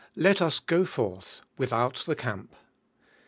LET US GO FORTH, WITHOUT THE CAMP.